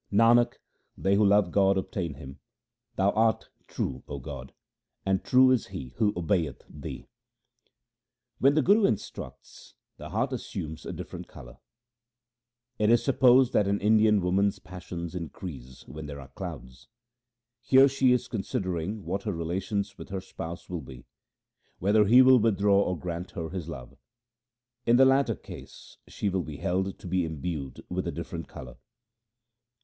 Nanak, they who love God obtain Him ; Thou art true, 0 God, and true is he who obeyeth Thee. When the Guru instructs, the heart assumes a different colour. It is supposed that an Indian woman's passions increase when there are clouds. Here she is considering what her relations with her spouse will be — whether he will withdraw or grant her his love. In the latter case she will be held to be imbued with a different colour.